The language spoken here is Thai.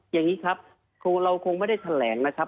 อย่างนี้ครับครูเราคงไม่ได้แถลงนะครับ